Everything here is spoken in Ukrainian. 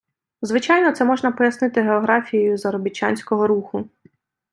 Звичайно, це можна пояснити географією заробітчанського руху.